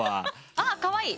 あぁかわいい！